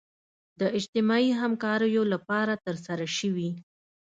د اجتماعي همکاریو لپاره ترسره شوي.